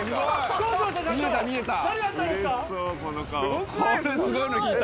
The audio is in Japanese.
どうしました？